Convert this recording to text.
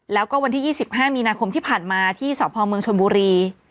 แล้วก็วันที่ยี่สิบห้ามีนาคมที่ผ่านมาที่สำพรมเมืองชนบุรี